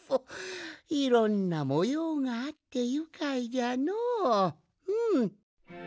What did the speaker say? いろんなもようがあってゆかいじゃのううん。